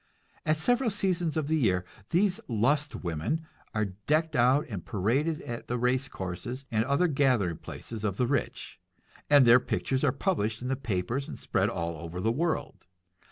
At several seasons of the year these lust women are decked out and paraded at the race courses and other gathering places of the rich, and their pictures are published in the papers and spread over all the world.